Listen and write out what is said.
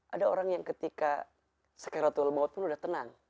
ada orang yang ketika sekiratul maut pun sudah tenang